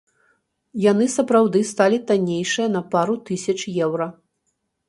Яны сапраўды сталі таннейшыя на пару тысяч еўра.